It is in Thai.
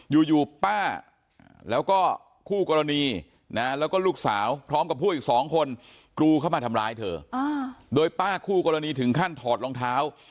อยู่ป้าแล้วก็คู่กรณีนะแล้วก็ลูกสาวพร้อมกับพวกอีก๒คนกรูเข้ามาทำร้ายเธอโดยป้าคู่กรณีถึงขั้นถอดรองเท้า